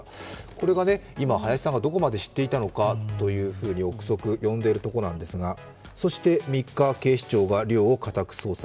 これが今、林さんがどこまで知っていたのかという臆測を呼んでいるところなんですがそして、３日、警視庁は寮を家宅捜索。